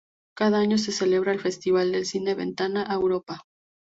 Cada año se celebra el festival de cine Ventana a Europa.